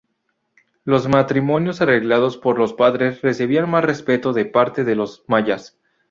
Los matrimonios arreglados por los padres reciben más respeto de parte de los mayas.